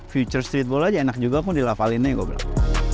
future streetball aja enak juga aku mau dilafalin aja gue bilang